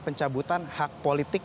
pencabutan hak politik